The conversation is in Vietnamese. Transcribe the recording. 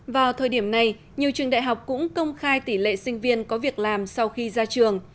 vào thời điểm này nhiều trường đại học cũng công khai tỷ lệ sinh viên có việc làm sau khi ra trường